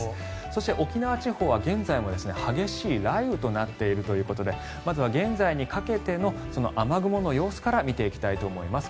そして、沖縄地方は現在も激しい雷雨となっているということでまずは現在にかけての雨雲の様子から見ていきたいと思います。